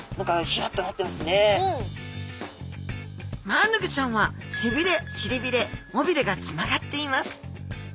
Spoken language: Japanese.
マアナゴちゃんは背びれしりびれ尾びれがつながっています。